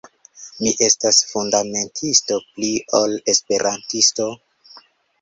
Mi estas fundamentisto, pli ol Esperantisto.